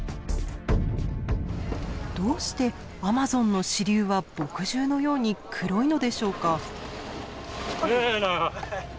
どうしてアマゾンの支流は墨汁のように黒いのでしょうか？